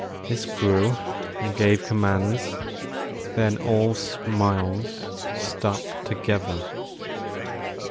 This grew; I gave commands; Then all smiles stopped together.